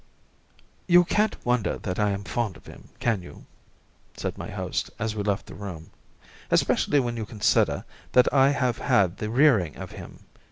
"You can't wonder that I am fond of him, can you?" said my host, as we left the room, "especially when you consider that I have had the rearing of him.